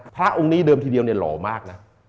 พระองค์นี้เดิมทีเดียวเนี่ยหล่อมากนะ